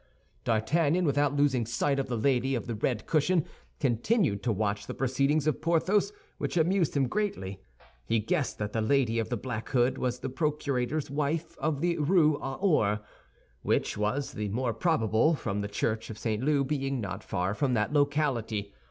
D'Artagnan, without losing sight of the lady of the red cushion, continued to watch the proceedings of Porthos, which amused him greatly. He guessed that the lady of the black hood was the procurator's wife of the Rue aux Ours, which was the more probable from the church of St. Leu being not far from that locality.